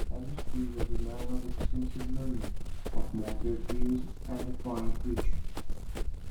Allestree was a man of extensive learning, of moderate views and a fine preacher.